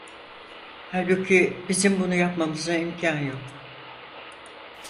Halbuki bizim bunu yapmamıza imkân yok.